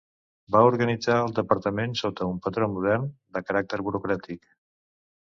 Va organitzar el Departament sota un patró modern de caràcter burocràtic.